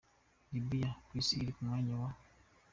Libye: ku isi iri ku mwanya wa .